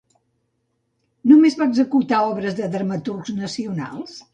Només va executar obres de dramaturgs nacionals?